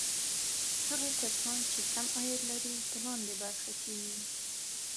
هغه کسان چې کم عاید لري په لاندې برخه کې وي.